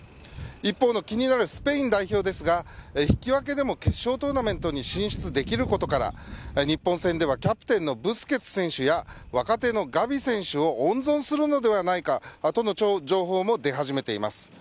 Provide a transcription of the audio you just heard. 一方の気になるスペイン代表は引き分けでも決勝トーナメントに進出できることから日本戦ではキャプテンのブスケツ選手や若手のガヴィ選手を温存するのではないかとの情報も出始めています。